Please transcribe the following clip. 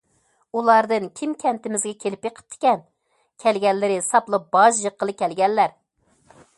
ئۇلاردىن كىم كەنتىمىزگە كېلىپ بېقىپتىكەن؟ كەلگەنلىرى ساپلا باج يىغقىلى كەلگەنلەر.